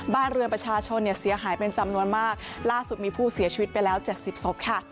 บ้านเรือนประชาชนเนี่ยเสียหายเป็นจำนวนมากล่าสุดมีผู้เสียชีวิตไปแล้วเจ็ดสิบศพค่ะ